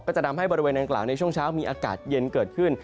จะทำให้บริเวณดังกล่าวในช่วงเช้ามีอากาศเย็นเกิดขึ้น